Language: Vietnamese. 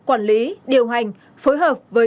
quản lý điều hành phối hợp với